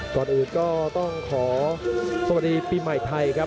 ก่อนอื่นก็ต้องขอสวัสดีปีใหม่ไทยครับ